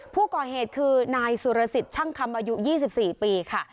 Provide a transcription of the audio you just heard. ผู้ก่อเหตุคือนายสุรสิทธิ์ช่างคำอายุ๒๔ปีค่ะ